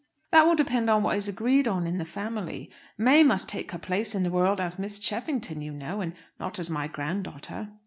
"That will depend on what is agreed on in the family. May must take her place in the world as Miss Cheffington, you know, and not as my grand daughter."